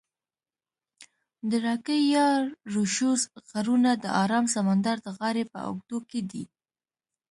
د راکي یا روشوز غرونه د آرام سمندر د غاړي په اوږدو کې دي.